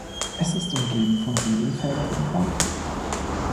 Es ist umgeben von Reben, Feldern und Wald.